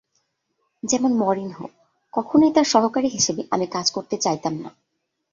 যেমন মরিনহো, কখনোই তার সহকারী হিসেবে আমি কাজ করতে চাইতাম না।